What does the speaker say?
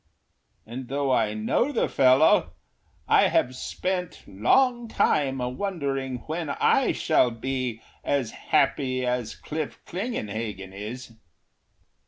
And though I know the fellow, I have spent Long time a wondering when I shall be As happy as Cliff Klingenhagen is.